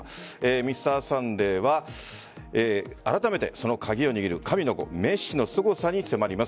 「Ｍｒ．サンデー」はあらためてその鍵を握る神の子・メッシのすごさに迫ります。